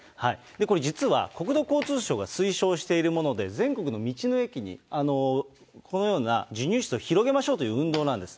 これ実は、国土交通省が推奨しているもので、全国の道の駅に、このような授乳室を広げましょうという運動なんです。